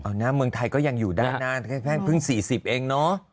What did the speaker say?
เอาหน้าเมืองไทยก็ยังอยู่ด้านหน้าแค่เพิ่ง๔๐เองเนอะ